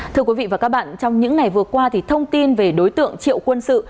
thưa quý vị và các bạn trong những ngày vừa qua thì thông tin về đối tượng triệu quân sự